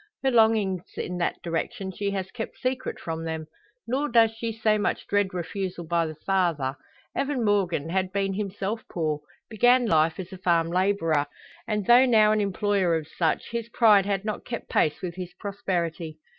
Her longings in that direction she has kept secret from them. Nor does she so much dread refusal by the father. Evan Morgan had been himself poor began life as a farm labourer and, though now an employer of such, his pride had not kept pace with his prosperity.